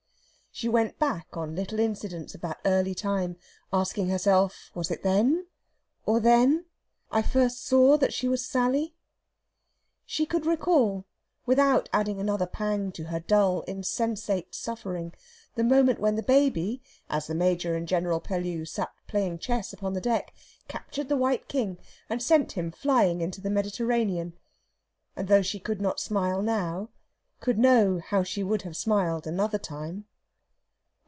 She went back on little incidents of that early time, asking herself, was it then, or then, I first saw that she was Sally? She could recall, without adding another pang to her dull, insensate suffering, the moment when the baby, as the Major and General Pellew sat playing chess upon the deck, captured the white king, and sent him flying into the Mediterranean; and though she could not smile now, could know how she would have smiled another time.